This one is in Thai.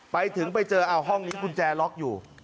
ไปถึงไปเจอห้องนี้กุญแจล็อกอยู่